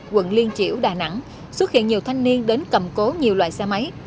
quận liên triểu đà nẵng xuất hiện nhiều thanh niên đến cầm cố nhiều loại xe máy